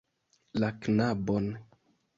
La knabon.